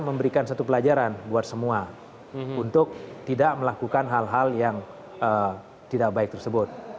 memberikan satu pelajaran buat semua untuk tidak melakukan hal hal yang tidak baik tersebut